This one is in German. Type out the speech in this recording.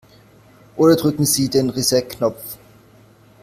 Oder drücken Sie den Reset-Knopf.